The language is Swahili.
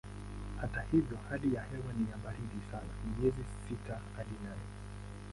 Hata hivyo hali ya hewa ni ya baridi sana miezi ya sita hadi nane.